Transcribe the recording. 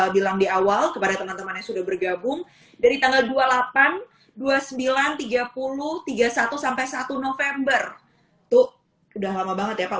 bilang di awal kepada teman teman yang sudah bergabung dari tanggal dua puluh delapan dua puluh sembilan tiga puluh tiga puluh satu sampai satu november tuh udah lama banget ya pak